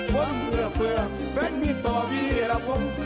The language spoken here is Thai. พบเผื่อเผื่อเฟนมีต่อวีรพงษ์